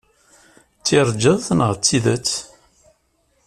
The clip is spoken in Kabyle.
D tirjet neɣ d tidet?